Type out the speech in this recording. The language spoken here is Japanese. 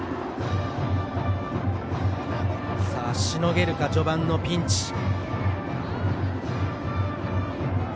しのげるか、序盤のピンチ。